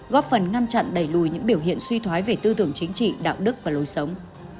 góp phần ngăn chặn đẩy lùi những biểu hiện suy thoái về tư tưởng chính trị đạo đức và lối sống